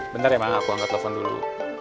bentar ya mbak aku angkat telepon dulu